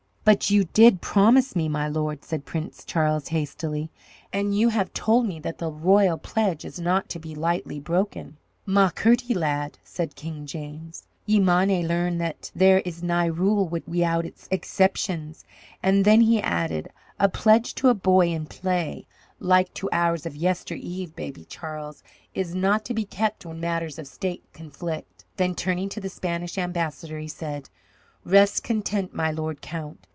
"But you did promise me, my lord," said Prince Charles, hastily, "and you have told me that the royal pledge is not to be lightly broken." "Ma certie, lad," said King James, "ye maunay learn that there is nae rule wi'out its aicciptions." And then he added, "A pledge to a boy in play, like to ours of yester eve, Baby Charles, is not to be kept when matters of state conflict." Then turning to the Spanish ambassador, he said: "Rest content, my lord count.